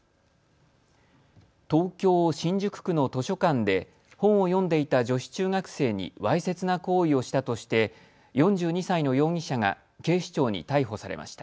東京新宿区の図書館で本を読んでいた女子中学生にわいせつな行為をしたとして４２歳の容疑者が警視庁に逮捕されました。